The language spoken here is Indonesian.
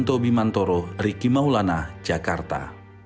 di maulana jakarta